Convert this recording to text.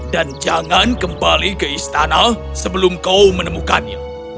dan jangan kembali ke istana sebelum kau menemukannya